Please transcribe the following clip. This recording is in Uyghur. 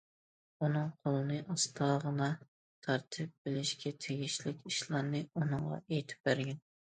ئۇنىڭ قولىنى ئاستاغىنا تارتىپ، بىلىشكە تېگىشلىك ئىشلارنى ئۇنىڭغا ئېيتىپ بەرگىن.